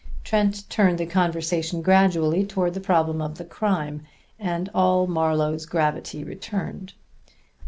Trent turned the conversation gradually toward the problem of the crime, and all Marlowe's gravity returned.